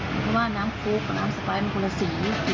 เพราะว่าน้ำโฟกน้ำสไตล์มันคนละสี